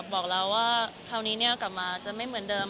บอกแล้วว่าคราวนี้กลับมาจะไม่เหมือนเดิม